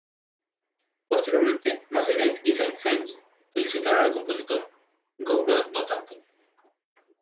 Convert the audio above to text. Posteriormente, Massenet y Saint-Saëns felicitaron al compositor, Gounod no tanto.